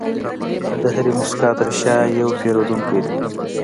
د هرې موسکا تر شا یو پیرودونکی دی.